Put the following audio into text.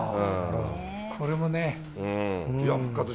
これもね。